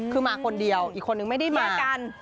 คือมาคนเดียวอีกคนนึงไม่ได้มากัน